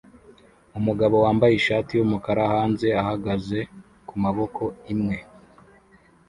Umugabo wambaye ishati yumukara hanze ahagaze kumaboko imwe